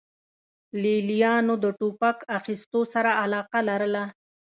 لې لیانو د ټوپک اخیستو سره علاقه لرله